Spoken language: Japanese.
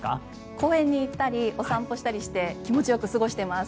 公園に行ったりお散歩したりして気持ちよく過ごしてます。